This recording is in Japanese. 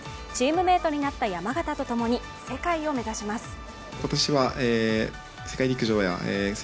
チームメートになった山縣と共に、世界を目指します。